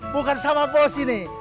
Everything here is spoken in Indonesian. bukan sama bos ini